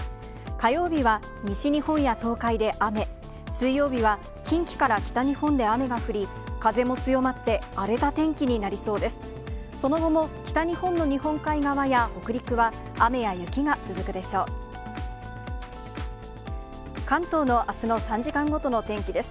火曜日は西日本や東海で雨、水曜日は近畿から北日本で雨が降り、風も強まって荒れた天気になりそうです。